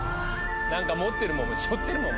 なんか持ってるもん背負ってるもん